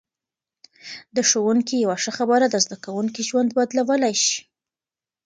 د ښوونکي یوه ښه خبره د زده کوونکي ژوند بدلولای شي.